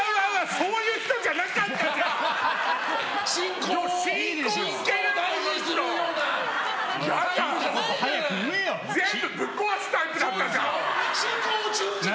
そういう人じゃなかったじゃん！